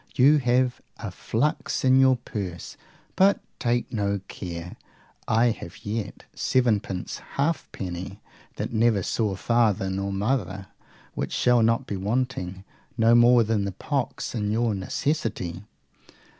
You have a flux in your purse; but take no care. I have yet sevenpence halfpenny that never saw father nor mother, which shall not be wanting, no more than the pox, in your necessity.